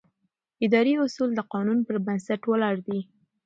اداري اصول د قانون پر بنسټ ولاړ دي.